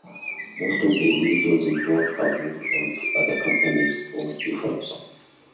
Most of the individuals involved have moved on to other companies or efforts.